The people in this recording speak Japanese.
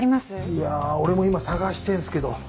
いや俺も今探してんですけど。